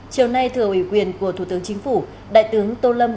chiều nay thừa ủy quyền của thủ tướng chính phủ đại tướng tô lâm